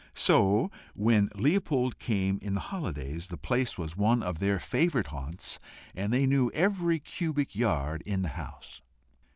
So when Leopold came in the holidays, the place was one of their favoured haunts, and they knew every cubic yard in the house.